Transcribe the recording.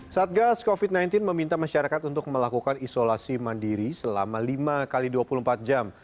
satgas covid sembilan belas meminta masyarakat untuk melakukan isolasi mandiri selama lima x dua puluh empat jam